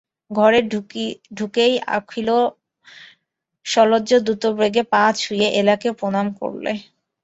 ঘরে ঢুকেই অখিল সলজ্জ দ্রুতবেগে পা ছুঁয়ে এলাকে প্রণাম করলে।